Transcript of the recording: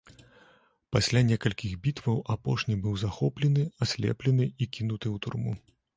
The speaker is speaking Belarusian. Пасля некалькіх бітваў апошні быў захоплены, аслеплены і кінуты ў турму.